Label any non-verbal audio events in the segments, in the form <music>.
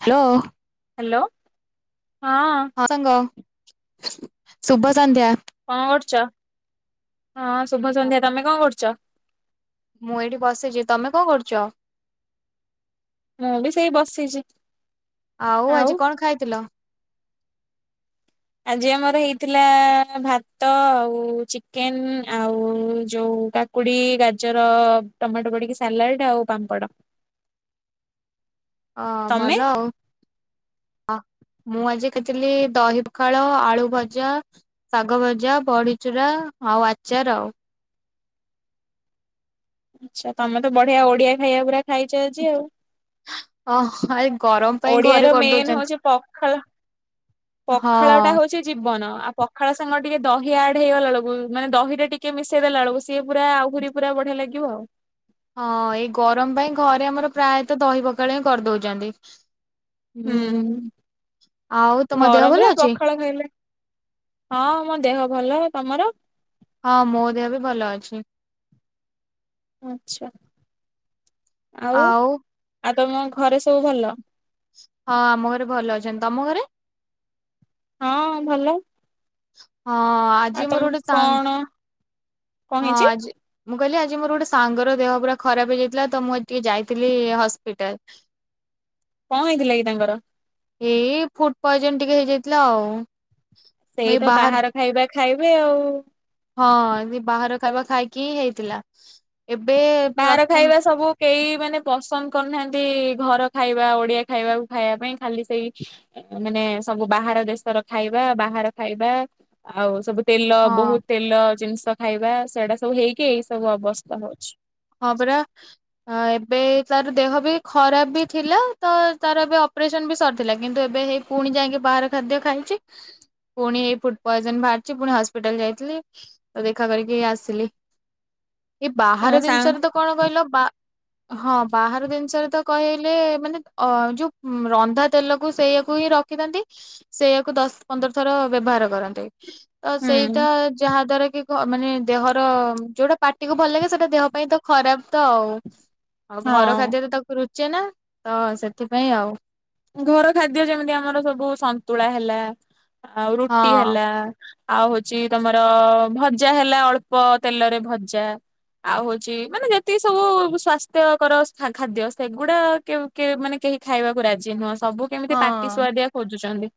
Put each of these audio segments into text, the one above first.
Hello. Hello, ହଁ। ହଁ ସାଙ୍ଗ ଶୁଭ ସଂନ୍ଧ୍ୟା। କଣ କରୁଛ ହଁ ଶୁଭ ହଁ, ସଂନ୍ଧ୍ୟା ତମେ କଣ କରୁଛ? ମୁଁ ଏଇଠି ବସିଛି ତମେ କଣ କରୁଛ? ମୁଁ ବି ସେଇ ବସିଛି। ଆଉ ଆଜି କଣ ଖାଇଥିଲ? ଆଜି ଆମର ହେଇଥିଲା ଭାତ ଆଉ ଚିକେନ୍ ଆଉ ଯୋଉ କା କୁଡ଼ି ଗାଜର ଟମାଟୋ ପଡ଼ିକି ସାଲାଡ୍ ଆଉ ପାମ୍ପଡ଼। ହଁ ତମେ ଭଲ ଆଉ। ଅ ମୁଁ ଆଜି ଖିଇଥିଲି ଦହି ପଖାଳ ଆଳୁ ଭଜା। ଶାଗ ଭଜା ବଡ଼ିଚୁରା ଆଉ ଆଚାର ଆଉ। ଆଚ୍ଛା ତମେ ତ ବଢ଼ିଆ ଓଡ଼ିଆ ଖାଇବା ପୁରା ଖାଇଛ ଆଜି ଆଉ। <unintelligible> ପାଇଁ ଓଡିଆ ଘରେ ର ମେନ୍ କରିଦଉଛନ୍ତି। ହଉଛି ପଖାଳ ହଁ ପଖାଳ ଟା ହଉଛି ଜୀବନ ଆଉ ପଖାଳ ସାଙ୍ଗ ଟିକେ ଦହି ଆଡ୍ ହେଇଗଲା ବେଳକୁ ମାନେ ଦହିଟା ଟିକେ ମିଶେଇ ଦେଲା ବେଳକୁ ସିଏ ପୁରା ଆହୁରି ପୁରା ବଢ଼ିଆ ଲାଗିବ ଆଉ। ହଁ ଏଇ ଗରମ ପାଇଁ ଘରେ ଆମର ପ୍ରାୟତଃ ଦହି ପଖାଳ ହିଁ କରିଦଉଛନ୍ତି। ହୁଁ ଆଉ ତମ ଦେହ ଭଲ ଅଛି? କଣ କହିଲେ? ହଁ ମୋ ଦେହ ଭଲ ତମର? ହଁ ମୋ ଦେହ ବି ଭଲ ଅଛି। ଆଚ୍ଛା ଆଉ ଆଉ ତମ ଘରେ ସବୁ ଭଲ। ହଁ ଆମ ଘରେ ଭଲ ଅଛନ୍ତି ତମ ଘରେ? ହଁ ଭଲ। ହଁ ଆଉ ଆଜି ମୋର ତମେ ଗୋଟେ କଣ କଣ ସାଙ୍ଗ ହଁ ହେଇଛି ଆଜି ମୁଁ କହିଲି ଆଜି ମୋର ଗୋଟେ ସାଙ୍ଗର ଦେହ ପୁରା ଖରାପ ହେଇଯାଇଥିଲା ତ ମୁଁ ଆଜି ଟିକେ ଯାଇଥିଲି ହସ୍ପିଟାଲ। କଣ ହେଇଥିଲା କି ତାଙ୍କର? ଏଇ ଫୁଡ୍ ପଏଜନ ଟିକେ ହେଇଯାଇଥିଲା ଆଉ। ମୁଁ ସେଇ ଏଇ ତ ବାହାର ଖାଇବା ଖାଇବେ ଆଉ। ହଁ ସେ ବାହାର ଖାଇବା ଖାଇକି ହେଇଥିଲା। ଏବେ ବାହାର ପ୍ରଥମ ଖାଇବା ସବୁ କେହି ମାନେ ପସନ୍ଦ କରୁନାହାନ୍ତି ଘର ଖାଇବା ଓଡ଼ିଆ ଖାଇବାକୁ ଖାଇବା ପାଇଁ ଖାଲି ସେଇ ମାନେ ସବୁ ବାହାର ଦେଶର ଖାଇବା ବାହାର ଖାଇବା ଆଉ ସବୁ ତେଲ ହଁ ବହୁତ ତେଲ ଜିନିଷ ଖାଇବା ସେଇଟା ସବୁ ହେଇକି ଏଇ ସବୁ ଅବସ୍ଥା ହଉଛି। ହଁ ପରା ଆ ଏବେ ତାର ଦେହ ବି ଖରାପ ବି ଥିଲା ତ ତାର ଏବେ ଅପରେସନ ବି ସରିଥିଲା କିନ୍ତୁ ଏବେ ହେ ପୁଣି ଯାଇକି ବାହାର ଖାଦ୍ୟ ଖାଇଁଛି। ପୁଣି ହେଇ ଫୁଡ୍ ପଏଜନ ବାହାରିଛି ପୁଣି ହସ୍ପିଟାଲ ଯାଇଥିଲି। ତ ଦେଖା କରିକି ଆସିଲି ଏଇ ତମ ବାହାର ସାଙ୍ଗ ଜିନିଷରେ ତ କଣ କହିଲ ବା ହଁ ବାହାର ଜିନିଷରେ ତ କହିଲେ ମାନେ ଅ ଯୋଉ ରନ୍ଧା ତେଲକୁ ସେଇୟାକୁ ହିଁ ର ଖିଥାନ୍ତି ସେଇୟାକୁ ଦଶ ପନ୍ଦର ଥର ବ୍ୟବହାର କରନ୍ତି। ତ ହୁଁ ସେଇଟା ଯାହା ଦ୍ଵାରା କି ଖ ମାନେ ଦେହର ଯୋଉଟା ପାଟିକୁୁ ଭଲ ଲାଗେ ସେଇଟା ଦେହ ପାଇଁ ତ ଖରାପ ତ ଆଉ ଆଉ ଘର ହଁ ଖାଦ୍ୟରେ ତାକୁ ରୁ ଚେନା ତ ସେଥିପାଇଁ ଆଉ। ଘର ଖାଦ୍ୟ ଯେମିତି ଆମର ସବୁ ସନ୍ତୁଳା ହେଲା ଆଉ ରୁଟି ହଁ। ହେଲା। ଆଉ ହଉଛି ତମର ଭଜା ହେଲା ଅଳ୍ପ ତେଲରେ ଭଜା। ଆଉ ହଉଛି ମାନେ ଯେତିକି ସବୁ ସ୍ଵାସ୍ଥ୍ୟକର ଖା ଖାଦ୍ୟ ସେଗୁଡା କେ କେ ମାନେ କେହି ଖାଇବାକୁ ରାଜି ନୁହଁ ସବୁ କେମିତି ପାଟି ହଁ। ସୁଆଦିଆ ଖୋଜୁଛନ୍ତି।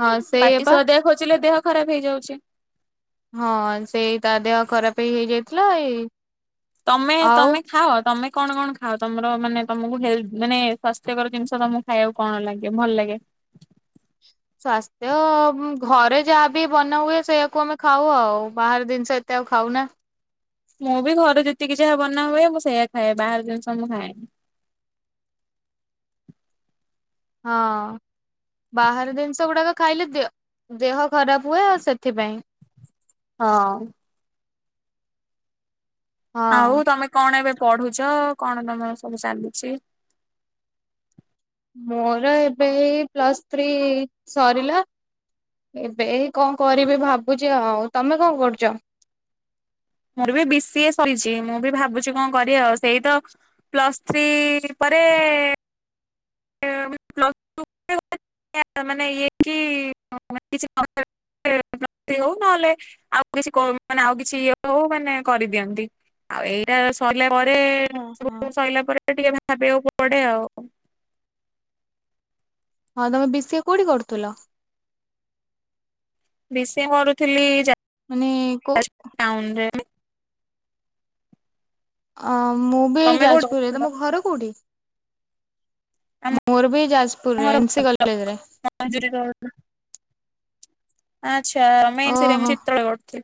ହଁ ସେଇଆ ପାଟି ପା ସୁଆଦିଆ ଖୋଜିଲେ ଦେହ ଖରାପ ହେଇଯାଉଛି। ହଁ ସେଇ ତା ଦେହ ଖରାପ ହେଇ ହେଇଯାଇଥିଲା ଏଇ। ତମେ ଆଉ ତମେ ଖାଅ ତମେ କଣ କଣ? ଆଉ ତମର ମାନେ ତମକୁ ହେଲ ମାନେ ସ୍ଵାସ୍ଥ୍ୟକର ଜିନିଷ ତମକୁ ଖାଇବାକୁ କଣ ଲାଗେ ଭଲ ଲାଗେ। ସ୍ଵାସ୍ଥ୍ୟ ଘରେ ଯାହାବି ବନା ହୁଏ ସେଇଆକୁ ଆମେ ଖାଉ ଆଉ ବାହାର ଜିନିଷ ଏତେ ଆଉ ଖାଉନା। ମୁଁ ବି ଘରେ ଯେତିକି ଯାହା ବନା ହୁଏ ମୁଁ ସେଇଆ ଖାଏ ବାହାର ଜିନିଷ ମୁଁ ଖାଏନି। ହଁ। ବାହାର ଜିନିଷ ଗୁଡାକ ଖାଇଲେ ଦେଅ ଦେହ ଖରାପ ହୁଏ ଆ ସେଥିପାଇଁ। ହଁ। ଆଉ ହଁ ତମେ କଣ ଏବେ ପଢୁଛ କଣ ତମର ସବୁ ଚାଲିଚି। ମୋର ଏବେ ଏଇ ପ୍ଲସ ଥ୍ରୀ ସରିଲା। ଏବେ ଏଇ କଣ କରିବି ଭାବୁଛି ଆଉ ତମେ କଣ କରୁଚ। ମୋର ବି ବିଶିଏ ସରିଛି ମୁଁ ବି ଭାବୁଛି କଣ କରିବ ଆଉ ସେଇ ତ। ପ୍ଲସ୍ ଥ୍ରୀ ପରେ ୍ <unintelligible> <unintelligible> ମାନେ ଇଏକି <unintelligible> ହଉ ନହେଲେ। ଆଉ କିଛି କ ମାନେ ଆଉ କିଛି ଇଏ ହଉ ମାନେ କରିଦିଅନ୍ତି ଆଉ ଏଇ। ଏ ସରିଲା ପରେ ହଁ ସବୁ ହଁ। ସରିଲା ପରେ ଟିକେ ଭାବିବାକୁ ପଡେ ଆଉ। ହଁ ତମେ ବିଷିଏ କୋଉଠି କରୁଥୁଲ? ବିଷିଏ ମରୁଥିଲି ଯା। ମାନେ କୋ ଟାଉନ ରେ <unintelligible> ଅ ମୁଁ ବି ତମେ କୋଉଠି ଯାଜପୁରରେ କରୁଥିଲ? ତମ ଘର କୋଉଠି? ଆମ ମୋରବି ଯାଜପୁରରେ ଏନ୍ସି କଲଜ ରେ। <unintelligible> ଆଛା ଆମେ ଏନ୍ସିରେ ଓହୋ <unintelligible> ଚିଚ୍ର କରୁଥିଲୁ।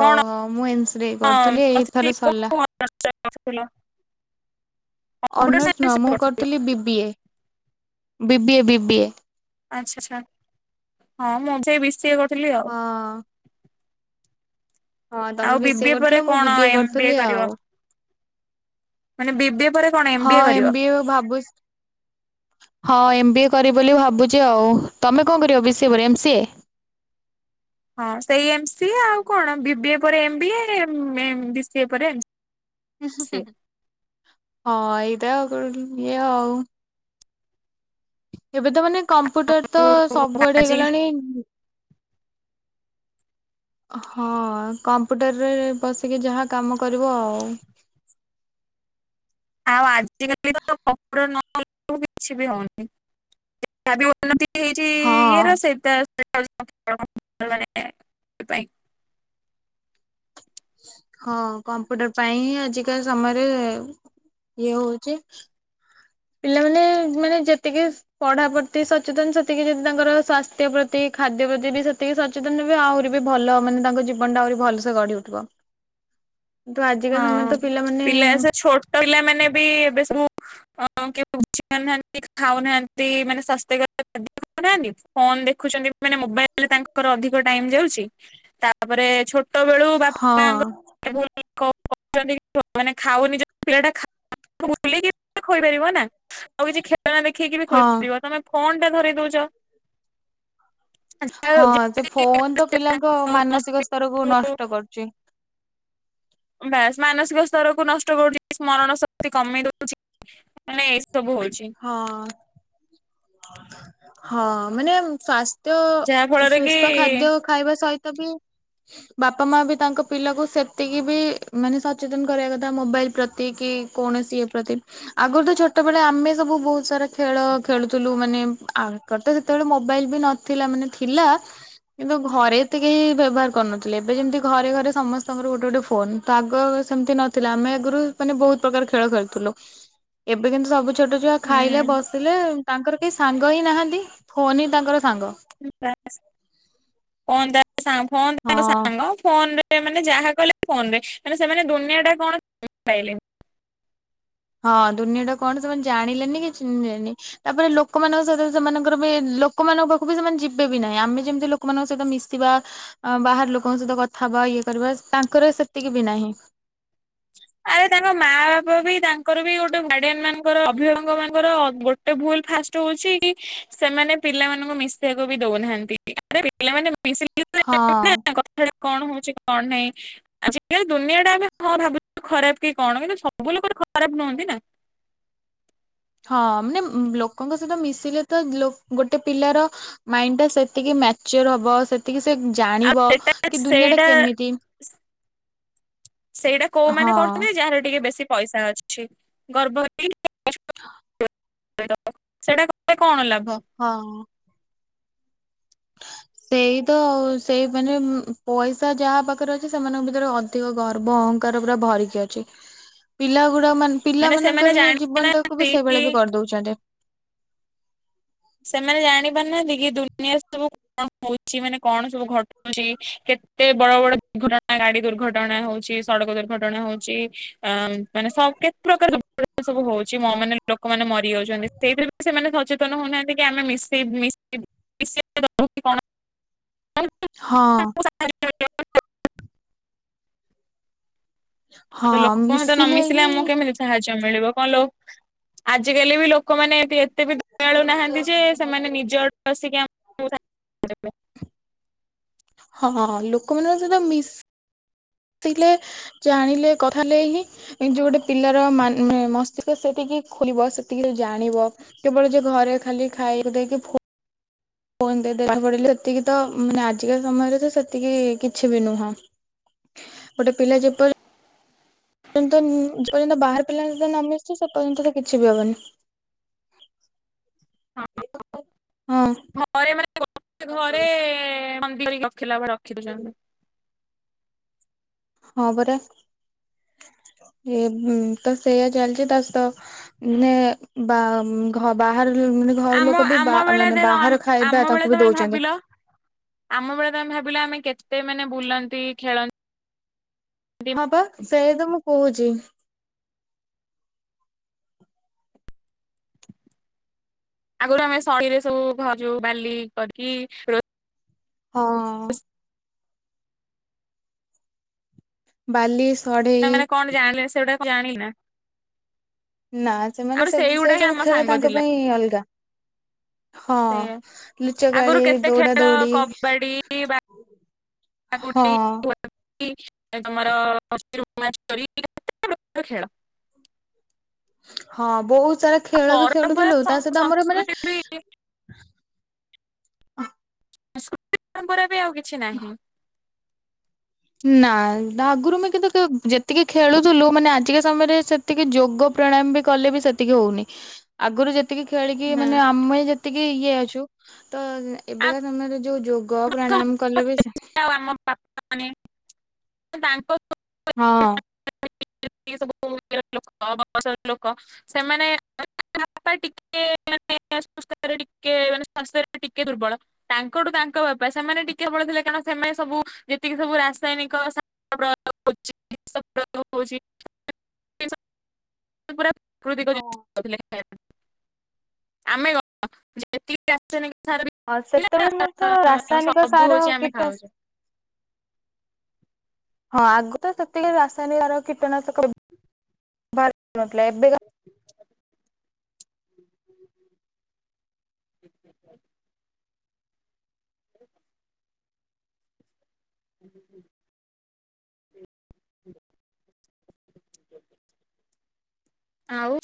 କଣ ମୁଁ ଏନ୍ସିରେ କରୁଥିଲି ଏଇଥର ସରିଲା। <unintelligible> ଅନସ ନୁହଁ ସାଇନ୍ସରେ ମୁଁ କରୁଥିଲ କରିଥିଲି ବିିବିଏ ବିବିଏ ବିବିଏ। ଆଚ୍ଛା ଛା ଛା ହଁ ମୁଁ ସେ ବିସିଏ କ ହଁ। ହଁ ତମେ ଆଉ ବିସିଏ ବିବିଏ ପରେ କରିୁଥିଲ ମୁଁ କଣ ବି ବିିଏ ଏମ ବିଏ କରିୁଥୁଲି କରିବ ଆଉ। ମାନେ ବିବିଏ ପରେ କଣ ହଁ ବିଏ କରିବ? ଏମ ବି ଭାବୁ ହଁ ଏମ ବି ଏ କରିବ ବୋଲି ଭାବୁଚି ଆଉ ତମେ କଣ କରିବ ବି ସିଏ ପରେ ଏମ ସିଏ। ହଁ ସେଇ ଏମ ସି ଏ ଆଉ କଣ ବିିବି ଏ ପରେ ଏମ ବି ଏ ବି ସିଏ ପରେ ସିଏ। ହଁ ଏଇଟା ଆଉ କର ଇଏ ଆଉ। ଏବେ ତ ମାନେ କମ୍ପ୍ୟୁଟର ତ ସବୁଆଡେ ଆଜି ହେଇଗଲାଣି। ହଁ କମ୍ପ୍ୟୁଟରରେ ବସିକି ଯାହା କାମ କରିବ ଆଉ। ଆଉ ଆଜିକାଲି ତ କମ୍ପୁଟର ନ କିଛି ବି ହଉନି। <unintelligible> ହେଇଚି ଇଏର ହଁ। ସେଇତା। <unintelligible> ପାଇଁ। ହଁ କମ୍ପ୍ୟୁଟର ପାଇଁ ଆଜିକାଲ ସମୟରେ ଇଏ ହଉଚି। ପିଲାମାନେ ମାନେ ଯେତିକି। ପଢା ପ୍ରତି ସଚେତନ ସେତିକି ଯଦି ତାଙ୍କର ସ୍ଵାସ୍ଥ୍ୟ ପ୍ରତି ଖାଦ୍ୟ ପ୍ରତି ବି ସେତିକି ସଚେତନ। ସଚେତନ ବି ଆହୁରି ବି ଭଲ, ମାନେ ତାଙ୍କ ଜୀବନଟା ଆହୁରି ଭଲସେ ଗଢି ଉଠିବ। କିନ୍ତୁ ଆଜିକା ସମୟରେ ହଁ ତ ପିଲାମାନେ ପିଲା ମାନେ ବି ଏବେ ସବୁ ଅ <unintelligible> ହାନ୍ତି ଖାଉନାହାନ୍ତି ମାନେ ସ୍ୱାସ୍ଥ୍ୟ <unintelligible> ହାନ୍ତି ଫୋନ ଦେଖୁଛନ୍ତି। ମାନେ ମୋବାଇଲରେ ତାଙ୍କର ଅଧିକ ଟାଇମ ଯାଉଛି, ତାପରେ ଛୋଟ ହଁଅ <unintelligible> କଣ କରୁଛନ୍ତି? ମାନେ ଖାଉନି ପିଲା ଟା ବୁଲିକି ଖୋଇପାରିବ ନା, ଆଉ କିଛି ଖେଳନା ଦେଖେଇକି ବି ହଁ ଖୋଇପାରିବ, ତମେ ଫୋନ୍ ଟା ଧରି ଦଉଛ। ହଁ ସେ ଫୋନ ତ ପିଲାଙ୍କ ମାନସିକ ସ୍ତରକୁ ନଷ୍ଟ କରୁଛି। ବାସ ମାନସିକ ସ୍ତରକୁ ନଷ୍ଟ କରୁଛି ସ୍ମରଣ ଶକ୍ତି କମେଇଦଉଛି। <unintelligible> ଏ ସବୁ ହଉଛି, ହଁ ହଁ ମାନେ ଯାହା ସ୍ୱାସ୍ଥ୍ୟ ଫଳରେ କି ସୁସ୍ଥ ଖାଦ୍ୟ, ଖାଇବା ସହିତ ବି, ବାପା ମା ବି, ତାଙ୍କ ପିଲାକୁ ସେତିକି ବି ମାନେ ସଚେତନ କରିବା କଥା ମୋବାଇଲ ପ୍ରତି। ଏ କି କୌଣସି ଏ ପ୍ରତି ଆଗରୁ ତ ଛୋଟବେେଳେ ଆମେ ସବୁ ବହୁତ ସାରା ଖେଳ ଖେଳୁ। ମାନେ ଆଗର ତ ସେତେବେଳେ ମୋବାଇଲ ବି ନଥିଲା, ମାନେ ଥିଲା କିନ୍ତୁ ଘରେ ଏତେ କେହି ବ୍ୟବହାର କରୁନଥିଲେ, ଏବେ ଯେମିତି ଘରେ ଘରେ ସମସ୍ତଙ୍କର ଗୋଟେ ଗୋଟେ ଫୋନ୍ ତ ଆଗ ସେମିତି ନଥିଲା, ଆମେ ଆଗରୁ ମାନେ ବହୁତ ପ୍ରକାର ଖେଳ ଖେୁଥିଲୁ ଏବେ କିନ୍ତୁ ସବୁ ଛୋଟ ଛୁଆ ଖାଇଲେ ହୁଁ ବସିଲେ, ତାଙ୍କର କେହି ସାଙ୍ଗ ହିଁ ନାହାନ୍ତି ଫୋନ ହିଁ ତାଙ୍କର ସାଙ୍ଗ। <unintelligible> ଫୋନ୍ ତା ସାଙ୍ଗ ହଁ ଫୋନରେ ସେ ମାନେ ଯାହା କଲେ ଫୋନ ରେ, ମାନେ ସେମାନେ ଦୁନିଆ ଟା କଣ ପାଇଲେ ହଁ ଦୁନିଆ ଟା କଣ, ସେମାନେ ଜାଣିଲେନି କି ଚିହ୍ନିଲେନି। ତାପରେ ଲୋକମାନଙ୍କ ସହିତ ସେମାନଙ୍କର ବି ଲୋକମାନଙ୍କ ପାଖ ବି ସେମାନେ ଯିବେ ବି ନାହିଁ, ଆମେ ଯେମିତି ଲୋକ ଲୋକମାନଙ୍କ ସହିତ ମିଶିବା, ବାହାର ଲୋକଙ୍କ ସହିତ କଥା ହେବା ଇଏ କରିବା ତାଙ୍କର ସେତିକି ବି ନାହିଁ। ଆରେ <unintelligible> ତାଙ୍କ ମା ବାପା ବି ତାଙ୍କର ବି ଗୋଟେ ଗାର୍ଡିଆନ ମାନଙ୍କର ଅଭିବାକ ମାନଙ୍କର--ଗୋଟେ, ଗୋଟେ ଭୁଲ ଫାଷ୍ଟ ହଉଛି ସେମାନେ ପିଲାମାନଙ୍କୁ ମିଶିବାକୁ ବି ଦଉନାହାନ୍ତି। ଆରେ ପିଲା ମାନେ ହଁ <unintelligible> <unintelligible> କଣ ହଉଛି କଣ ନାହିଁ ଆଜିକାଲି ଦୁନିଆ ଟା ଆମେ ହଁ ଭାବୁୁ ଖରାପ କି କଣ, କିନ୍ତୁ ସବୁ ଲୋକ ଖରାପ ନୁହଁନ୍ତି ନା। ହଁ ମାନେ ଲୋକଙ୍କ ସହିତ ମିଶିଲେ ତ <unintelligible> ଗୋଟେ ପିଲାର। ମାଇଣ୍ଡ ଟା ସେତିକି ମେଚୁର ହବ। ସେ ଟିକେ ସେ ଆଉ ଜାଣିବ ସେଟା କି ଦୁନିଆ ଟା ସେଇଟା କେମିତି। ସେଇଟା ହଁ କୋଉମାନେ କରୁଥିବେ ଯାହାର ଟିକେ ବେଶୀ ପଇସା ଅଛି। ଠିକ ଗର୍ବ ହେଇ <unintelligible> ସେଟା କଲେ କଣ ଲାଭ। ହଁ। ସେଇ ତ ସେଇ ମାନେ ପଇସା ଯାହା ପାଖରେ ଅଛି ସେମାନଙ୍କ ଭିତରେ ଅଧିକ ଅଧିକ ଗର୍ବ, ଅହଙ୍କାର ପୁରା ଭରିକି ଅଛି ପିଲା ଗୁଡା ମାନେ ପିଲା ସେମାନେ ମାନଙ୍କର ଜୀବନ ଟାକୁ ଜାଣିପାରୁନାହାନ୍ତି ବି କି ସେଇଭଳିଆ ବି କରିଦଉଛନ୍ତି। ସେମାନେ ଜାଣି ପାରୁନାହାନ୍ତି କି ଦୁନିଆ ସବୁ କଣ ହଉଛି ମାନେ କଣ ସବୁ ଘଟୁଛି, କେତେ ବଡ ବଡ ଦୁର୍ଘଟଣା ଗାଡି ଦୁର୍ଘଟଣା ହଉଛି। ସଡ଼କ ଦୁର୍ଘଟଣା ହଉଛି ଆ ମାନେ ସବୁ କେତେ ପ୍ରକାର ସବୁ ହଉଛି ମା ମାନେ ଲୋକମାନେ ମରି ଯାଉଛନ୍ତି, ସେଇଥିରେ ବି ସେମାନେ ସଚେତନ ହଉନାହାନ୍ତି। ଆମେ ମିଶେଇଶ କଣ। <unintelligible> ହଁ। ଆଉ ହଁ ତ ଲୋକ ସହିତ ନ ମିଶିଲେ ହିଁ ଆମକୁ କେମିତି ସାହାଯ୍ୟ ମିଳିବ କଣ ଲୋ। ଆଜିକାଲି ବି ଲୋକମାନୋନ ଏଠି ଏତେ ବି ମିଳୁନାହାନ୍ତି ଯେ ସେମାନେ ନିଜ ଆଡୁ ଆସିକି ଆମକୁ ସାହାଯ୍ୟ କରିବେ। ହଁ ଲୋକମାନଙ୍କ ସହିତ ମିସ୍ ସିଲେ ଜାଣିଲେ କଥା ହେଲେନି ଏ ଯୋଉ ଗୋଟେ ପିଲାର ମାନ ମସ୍ତିଷ୍କ ସେଠିକି ଖୋଲିବ ସେତିକି ଯୋଉ ଜାଣିବ କେବଳ ଯେ ଘରେ ଖାଲି ଖାଇବାକୁ ଦେଇକି ଫୋ ଫୋନ ଦେଖା ପଡିଲି ସେତିକି ତ ମାନେ ଆଜିକା ସମୟରେ ତ ସେତିକି କିଛି ବି ନୁହଁ। <unintelligible> ଗୋଟେ ପିଲା ଯେପରି ଯେର୍ଯ୍ୟନ୍ତ ବାହାର ପିଲା ସହିତ ନ ମିଶିଚି ସେ ପର୍ଯ୍ୟନ୍ତ ତ କିଛି ବି ହବନି। <unintelligible> ହଁ ହଁ। ଘରେ ମାନେ ଗୋ ଘରେ ମନ୍ଦି ରଖିଲା ବର। <unintelligible> <unintelligible> କେବେ ଜାଣିଲେ? ହଁ ପରା ଏ ତ ସେଇୟା ଚାଲିଚି। ତା ସହିତ ମାନେ ବା ଘର ବାହାର ମାନେ ଘର ଆମ ଲୋକ ବି ଆମ ବା ମାନେ ବେଳେ ବାହାର ଆମ ଖାଇବା ବେଳେ ତାକୁ ବି ତମେ ଦଉଚନ୍ତି। ଭାବିଲ ଆମ ବେଳେ ତ ଆମେ ଭାବିଲୁ ଆମେ କେତେ ମାନେ ବୁଲନ୍ତି ଖେଳନ୍ତି ହଁ ପା ସେଇଆ ତ ମୁଁ କହୁଚି। ଆଗରୁ ଆମେ ସଢ଼େଇରେ ସବୁ ଭାଜୁ ବାଲି କରିକି ଖେ ହଁ। ବାଲି, ସଢେଇ, ସେମାନେ କଣ ଜାଣିଲେ ସେଗଟା ଜାଣ ନା। <unintelligible> ନା ସେମାନେ ଆହୁରି ସେ ସେ ସେଇଗୁଡା ହିଁ ସବୁ ଆମ ଖେଳ ସାଙ୍ଗ ତାଙ୍କ ଥିଲା ପାଇଁ ଅଲଗା। ହଁ, ସେଇଆ ଲୁଚ ଆଗରୁ କାଳୀ, କେତେ ଦୌଡ଼ା ଖେଳ ଦୌଡ଼ି, କବାଡି ହଁ। ତମର ଖେଳ। <unintelligible> ହଁ, ବହୁତ ସାରା ଆଉ ଖେଳ ବି ଖେଳୁଥିଲୁ। ତା ସହିତ ଆମର ମାନେ କେ <unintelligible> ସାସ୍କୃତି ପରମ୍ପରା ବି ଆଉ କିଛି ନାହିଁ। ନା ଆଗରୁ ମୁ କିନ୍ତୁ ଯେତିକି ଖେଳୁଥିଲୁ ମାନେ ଆଜିକା ସମୟରେ ସେ ସେତିକି ଯୋଗ ପ୍ରାଣାୟାମ ବି କଲେ ବି ସେତିକି ହଉନି। ଆଗରୁ ଯେ ତିକି ଖେଳିକି ନା ମାନେ ଆମେ ଯେତିକି ଇଏ ଅଛୁ, ତ ଏବେ ଆମ କା ସମୟରେ ଯୋଉ ଯୋଗ ପ୍ରାଣାୟାମ କଲେ ବି ସେ ଆମ ପାପା ମେ <unintelligible> ତାଙ୍କ ହଁ। ଇଏ ସବୁ କଉ ଲସ ଲୋକ। <unintelligible> ସେମାନେ ଟିକେ ମାନେସ୍ଥ ଟିକେ ମାନେ ସାସ୍ଥ୍ୟ ଟିକେ ଦୁର୍ବଳ। <unintelligible> ତାଙ୍କଠୁ ତାଙ୍କ ବାପା ସେମାନେ ଟିକେ ଭଲ ଥିଲେ। କାରଣ ସେମାନେ ସବୁ ଯେତିକି ସବୁ ରାସାୟନିକ ସା ଅର ଅଉଚ଼ି ଟେସ୍ <unintelligible> ପୁରା ଟୁ ଦିଗ ଯାଏ ଜାଉ ଥିଲେ। ଖାଇ ଆମେ କ <unintelligible> ଏତିକି ଆସନେଇ ଥରେ ହଁ ସେତେବେଳେ ଆମର ତ ରାସାୟନିକ ସବୁ ସାର ହଉଛି ଆମେ <unintelligible> କୀଟ ହଁ, ଆଗରୁ ତ ସେତିକି ରାସାୟନିକାର କିଟନାଶକ ଭାରି ନଥିଲା ଏବେକା ହୁଁ ହୁଁ। ହୁଁ। ଆଉ।